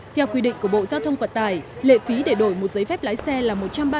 theo quy định của bộ giao thông vật tài lệ phí để đổi một giấy phép lái xe là một trăm ba mươi năm